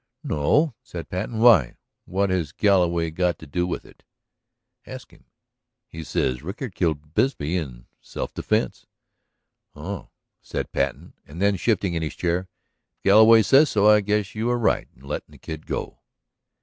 "No," said Patten. "Why? What has Galloway got to do with it?" "Ask him. He says Rickard killed Bisbee in self defense." "Oh," said Patten. And then, shifting in his chair: "If Galloway says so, I guess you are right in letting the Kid go."